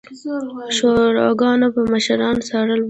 شوراګانو به مشران څارل